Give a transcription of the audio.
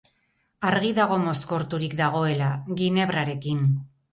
Argi dago mozkorturik dagoela, ginebrarekin.